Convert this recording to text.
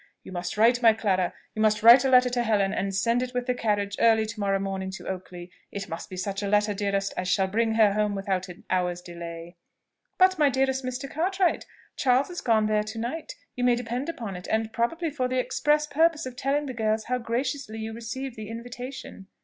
You must write, my Clara you must write a letter to Helen, and send it with the carriage early to morrow morning to Oakley. It must be such a letter, dearest, as shall bring her home without an hour's delay." "But, my dearest Mr. Cartwright, Charles is gone there to night, you may depend upon it, and probably for the express purpose of telling the girls how graciously you received the invitation."